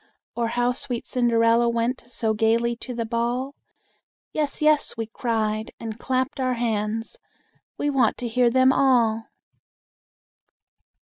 Or how sweet Cinderella went So gaily to the ball?" "Yes, yes!" we cried, and clapped our hands; "We want to hear them all!"